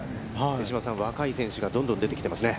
手嶋さん、若い選手がどんどん出てきてますね。